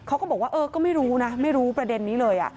เขาก็บอกว่าเออก็ไม่รู้นะไม่รู้ประเด็นนี้เลย